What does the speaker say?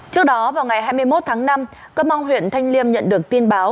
trước đó vào ngày hai mươi một tháng năm cơ mong huyện thanh liêm nhận được tin báo